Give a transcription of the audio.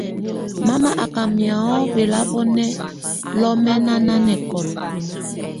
Mama à ká miaŋgɔ̀a bɛlabɔnɛ̀á lɔmɛna nanǝkɔla.